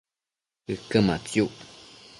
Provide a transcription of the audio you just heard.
ëquë matsiuc